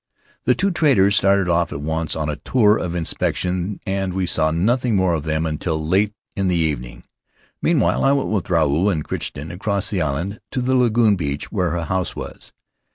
The two traders started off at once on a tour of inspection and we saw nothing more of them until late in the evening. Meanwhile I went with Ruau and Crichton across the island to the lagoon beach where her house was.